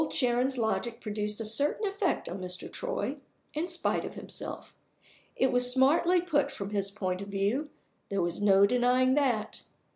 Old Sharon's logic produced a certain effect on Mr. Troy, in spite of himself. It was smartly put from his point of view there was no denying that.